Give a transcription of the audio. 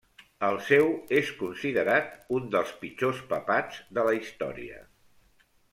El seu és considerat un dels pitjors papats de la història.